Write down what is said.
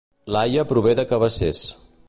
Laia prové de Cabacés